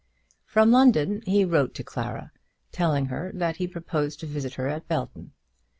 From London he wrote to Clara, telling her that he proposed to visit her at Belton.